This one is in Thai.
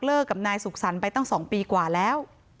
เลิกกับนายศุกษัณฐ์ไปตั้ง๒ปีกว่าแล้ว